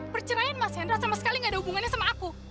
perceraian mas hendra sama sekali gak ada hubungannya sama aku